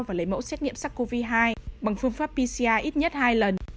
và lấy mẫu xét nghiệm sars cov hai bằng phương pháp pcr ít nhất hai lần